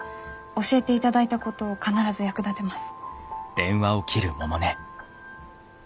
教えていただいたこと必ず役立てます。